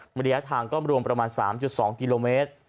เมื่อเดียวทางก้อมรวมประมาณ๓๒กิโลเมตร